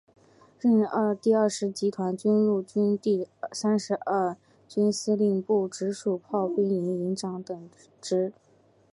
任第二十集团军陆军第三十二军司令部直属炮兵营营长等职。